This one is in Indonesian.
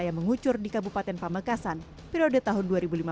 yang mengucur di kabupaten pamekasan periode tahun dua ribu lima belas dua ribu dua